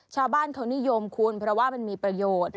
ชาวบ้านเขานิยมคุณเพราะว่ามันมีประโยชน์